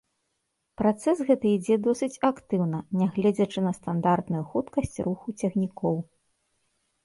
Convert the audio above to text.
Працэс гэты ідзе досыць актыўна, нягледзячы на стандартную хуткасць руху цягнікоў.